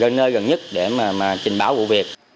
đó là nơi gần nhất để trình báo vụ việc